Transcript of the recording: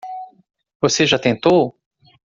Você já tentou?